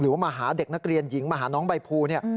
หรือว่ามาหาเด็กนักเรียนหญิงมาหาน้องใบภูนี่